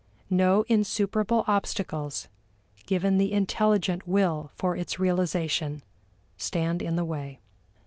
No insuperable obstacles, given the intelligent will for its realization, stand in the way.